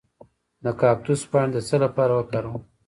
د کاکتوس پاڼې د څه لپاره وکاروم؟